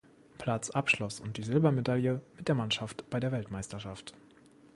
Platz abschloss, und die Silbermedaille mit der Mannschaft bei der Weltmeisterschaft.